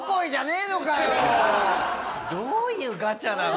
どういうガチャなの？